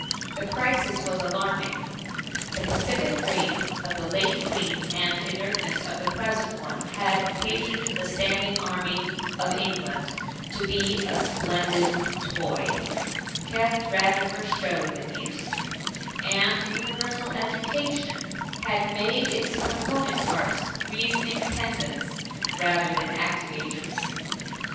The crisis was alarming. The pacific reign THE MUMMY. 17 of the late Queen, and inertness of the present one, had occasioned the standing army of Eng« land to be a splendid toy, kept rather for show than use; and universal education had made its component parts reasoning pedants, rather than active agents.